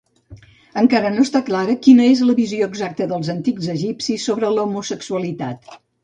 Encara no està clara quina és la visió exacta dels antics egipcis sobre l'homosexualitat.